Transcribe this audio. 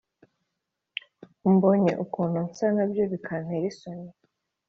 umbonye ukuntu nsa nabyo bikantera isoni